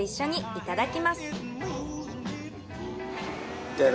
いただきます。